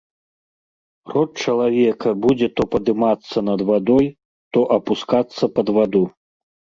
Рот чалавека будзе то падымацца над вадой, то апускацца пад ваду.